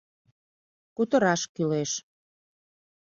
Кутыраш кӱлеш.